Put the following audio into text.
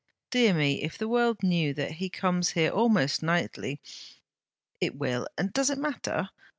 Dear me! if the world knew that he comes here almost nightly! It will; and does it matter?